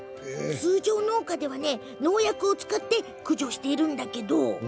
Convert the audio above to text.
通常、農家では農薬を使って駆除してるんだって。